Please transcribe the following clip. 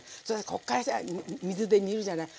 こっからさ水で煮るじゃない。